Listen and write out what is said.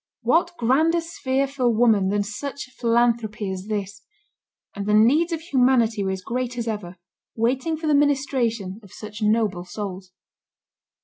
What grander sphere for woman than such philanthropy as this! And the needs of humanity are as great as ever, waiting for the ministration of such noble souls.